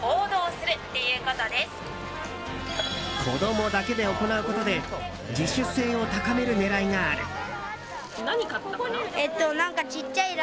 子供だけで行うことで自主性を高める狙いがある。